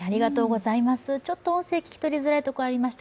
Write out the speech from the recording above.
ちょっと音声が聞き取りづらいところがありました。